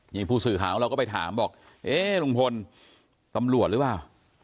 นี่ผู้สื่อข่าวของเราก็ไปถามบอกเอ๊ะลุงพลตำรวจหรือเปล่า